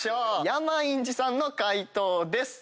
山陰寺さんの解答です。